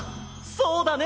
そうだね！